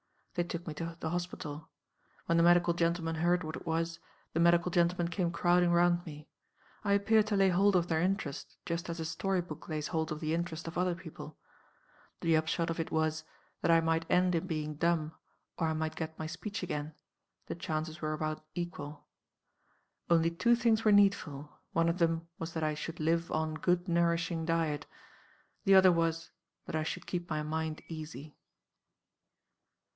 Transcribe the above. They took me to the hospital. When the medical gentlemen heard what it was, the medical gentlemen came crowding round me. I appeared to lay hold of their interest, just as a story book lays hold of the interest of other people. The upshot of it was, that I might end in being dumb, or I might get my speech again the chances were about equal. Only two things were needful. One of them was that I should live on good nourishing diet. The other was, that I should keep my mind easy.